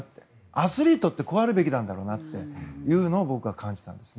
アスリートってこうあるべきなんだろうなというのを僕は感じたんです。